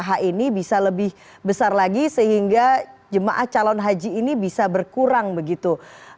apakah ini bisa lebih besar lagi sehingga jemaah calon haji ini bisa berkurang begitu